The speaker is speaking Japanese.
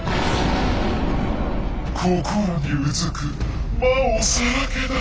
心にうずく魔をさらけ出せ。